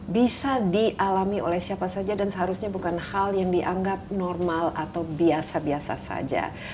bisa dialami oleh siapa saja dan seharusnya bukan hal yang dianggap normal atau biasa biasa saja